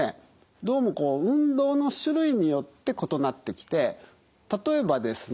どうもこう運動の種類によって異なってきて例えばですね